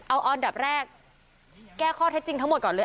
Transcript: เอาอันดับแรกแก้ข้อเท็จจริงทั้งหมดก่อนเลย